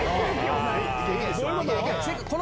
どういうこと？